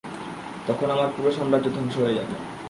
তখন আমার পুরো সাম্রাজ্য ধ্বংস হয়ে যাবে।